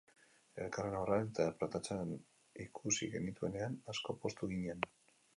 Elkarren aurrean interpretatzen ikusi genituenean, asko poztu ginen.